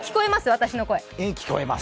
私の声？